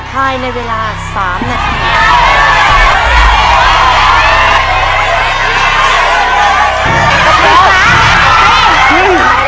ภายในเวลา๓นาที